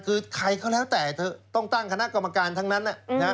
คือใครก็แล้วแต่เธอต้องตั้งคณะกรรมการทั้งนั้น